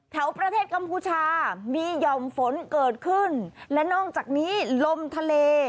แถวประเทศกัมพูชามีหย่อมฝนเกิดขึ้นและนอกจากนี้ลมทะเล